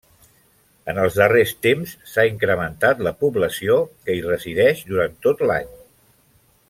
En els darrers temps s'ha incrementat la població que hi resideix durant tot l'any.